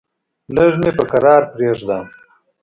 لږ مې په کرار پرېږده!